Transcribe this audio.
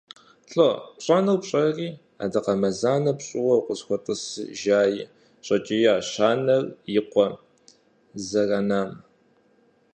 ЛӀо, пщӀэнур пщӀэри, адакъэмазэнэ пщӀыуэ укъысхуэтӀысыжаи, – щӀэкӀиящ анэр и къуэ зэранам.